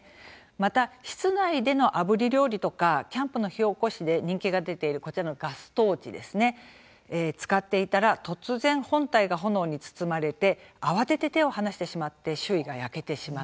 また室内での、あぶり料理とかキャンプの火おこしで人気が出ている、こちらのガストーチ、使っていたら突然、本体が炎に包まれて慌てて手を離してしまって周囲が焼けてしまった。